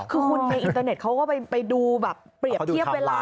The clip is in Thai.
คือคุณในอินเตอร์เน็ตเขาก็ไปดูแบบเปรียบเทียบเวลา